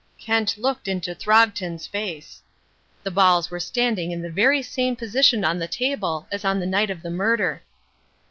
Kent looked into Throgton's face. The balls were standing in the very same position on the table as on the night of the murder.